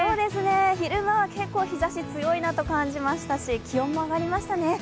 昼間は結構日ざし強いなと感じましたし気温も上がりましたね。